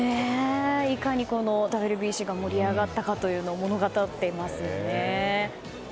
いかにＷＢＣが盛り上がったかというのを物語っていますよね。